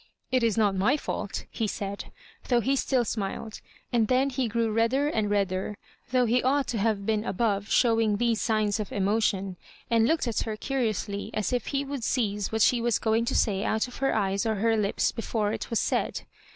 " It is not my fault," he said, though he still smiled; and then he grew redder and redder, though he ought to have been above showing these signs of emotion ; and looked at her curi ously, as if he would seize what she was going to say out of her eyes or her lips before it was said.